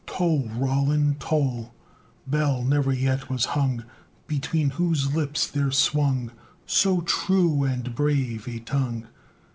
II Toll! Roland, toll! Bell never yet was hung, Between whose lips there swung So true and brave a tongue!